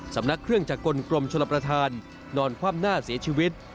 สำนักเครื่องจากกลกรมชลประธานนอนคว่ำหน้าเสียชีวิต